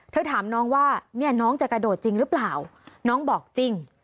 ถามน้องว่าเนี่ยน้องจะกระโดดจริงหรือเปล่าน้องบอกจริง